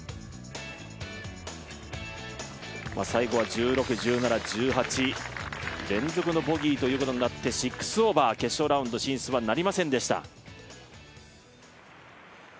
最後は１６、１７、１８、連続のボギーということになって６オーバー、決勝ラウンド進出はなりませんでした。